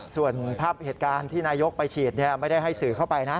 ส่วนภาพเหตุการณ์ที่นายกไปฉีดไม่ได้ให้สื่อเข้าไปนะ